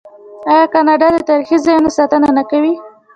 آیا کاناډا د تاریخي ځایونو ساتنه نه کوي؟